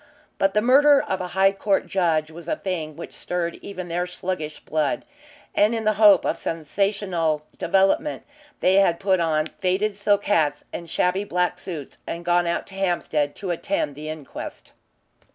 But the murder of a High Court judge was a thing which stirred even their sluggish blood, and in the hope of some sensational development they had put on faded silk hats and shabby black suits and gone out to Hampstead to attend the inquest.